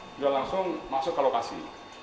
sudah langsung masuk ke lokasi